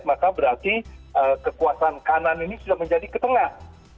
maka berarti kekuasaan kanan ini sudah menjadi ke tengah